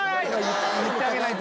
言ってあげないと。